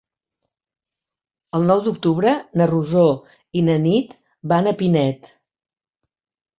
El nou d'octubre na Rosó i na Nit van a Pinet.